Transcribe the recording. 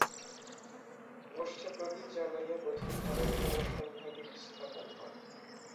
গোষ্ঠে প্রদীপ জ্বালাইয়া বধূ ঘরের কোণে সন্ধ্যাদীপ স্থাপন করে।